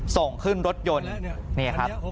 ส่งขึ้นรถยนต์